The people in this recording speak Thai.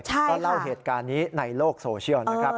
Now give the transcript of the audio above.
ก็เล่าเหตุการณ์นี้ในโลกโซเชียลนะครับ